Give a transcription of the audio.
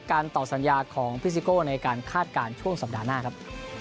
ต่อสัญญาของพี่ซิโก้ในการคาดการณ์ช่วงสัปดาห์หน้าครับ